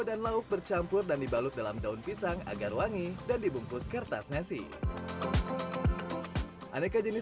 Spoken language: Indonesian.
dan lauk bercampur dan dibalut dalam daun pisang agar wangi dan dibungkus kertas nasi aneka jenis